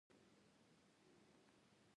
غواړم چې مخکې له ژمي سکاره واخلم.